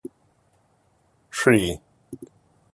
Sri.